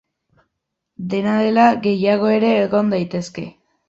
Dena dela, gehiago ere egon daitezke.